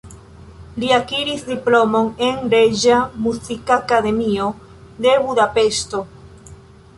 Li akiris diplomon en Reĝa Muzikakademio de Budapeŝto.